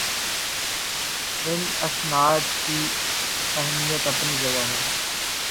ان اسناد کی اہمیت اپنی جگہ ہے